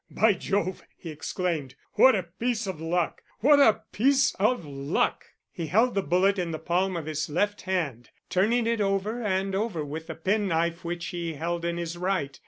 "By Jove!" he exclaimed. "What a piece of luck! What a piece of luck!" He held the bullet in the palm of his left hand, turning it over and over with the penknife which he held in his right.